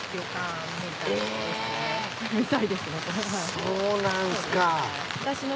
そうなんすか。